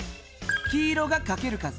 黄色がかける数。